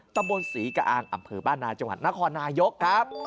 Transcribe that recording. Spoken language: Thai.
ตำบลศรีกะอางอำเภอบ้านนาจังหวัดนครนายกครับ